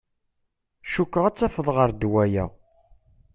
Cukkeɣ ad tafeḍ ɣer ddwa-ya.